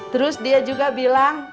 terus dia juga bilang